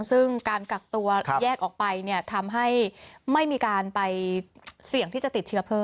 ซึ่งการกักตัวแยกออกไปเนี่ยทำให้ไม่มีการไปเสี่ยงที่จะติดเชื้อเพิ่ม